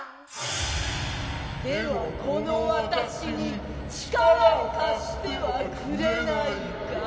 はこの私に力を貸してはくれないか？